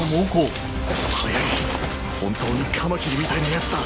速い本当にカマキリみたいなやつだ